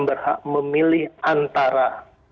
berhak memilih antara